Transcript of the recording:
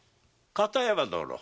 片山殿。